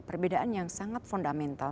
perbedaan yang sangat fundamental